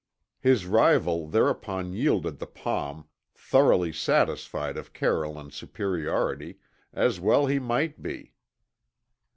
His rival thereupon yielded the palm, thoroughly satisfied of Carolan's superiority, as well he might be.